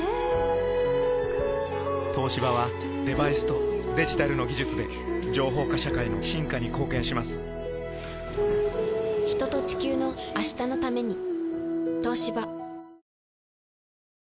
東芝はデバイスとデジタルの技術で情報化社会の進化に貢献します人と、地球の、明日のために。